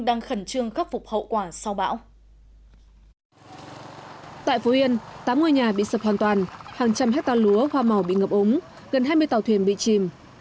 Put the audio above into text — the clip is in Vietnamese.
tại phố yên tám ngôi nhà bị sập hoàn toàn hàng trăm hectare lúa hoa màu bị ngập úng gần hai mươi tàu thuyền bị chìm